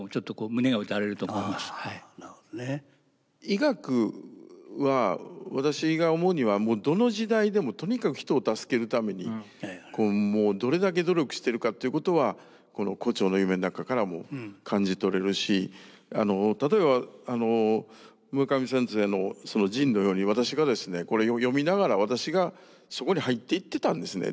医学は私が思うにはもうどの時代でもとにかく人を助けるためにどれだけ努力してるかっていうことは「胡蝶の夢」の中からも感じ取れるし例えば村上先生の「ＪＩＮ」のように私がですねこれを読みながら私がそこに入っていってたんですね。